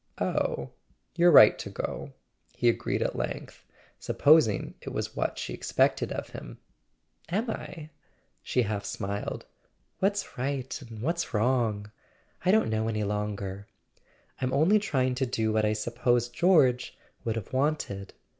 "Oh, you're right to go," he agreed at length, supposing it was what she expected of him. "Am I?" She half smiled. "What's right and what's wrong? I don't know any longer. I'm only trying to do what I suppose George would have wanted."